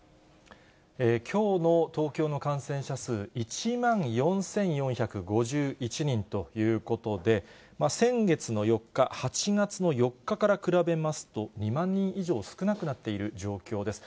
きょうの東京の感染者数、１万４４５１人ということで、先月の４日、８月の４日から比べますと２万人以上少なくなっている状況です。